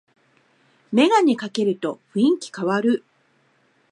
メガネかけると雰囲気かわる